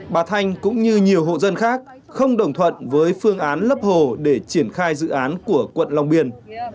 bà thanh cũng như nhiều hộ dân khác không đồng thuận với phương án lấp hồ để triển khai dự án của quận long biên